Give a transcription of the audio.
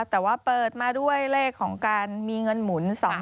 แต่ว่าเปิดมาด้วยเลขของการมีเงินหมุน